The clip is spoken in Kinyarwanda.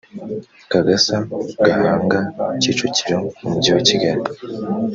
kagasa gahanga kicukiro umujyi wa kigali